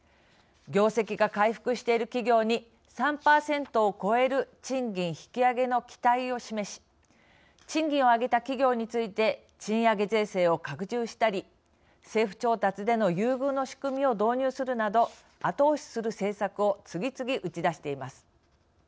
業績が回復している企業に３％を超える賃金引き上げの期待を示し賃金を上げた企業について賃上げ税制を拡充したり政府調達での優遇の仕組みを導入するなど、後押しする政策を次々、打ち出しています。